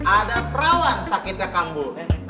ada perawan sakitnya kamu